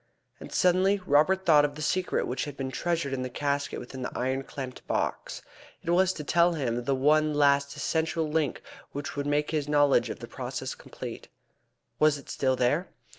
And suddenly Robert thought of the secret which had been treasured in the casket within the iron clamped box. It was to tell him the one last essential link which would make his knowledge of the process complete. Was it still there?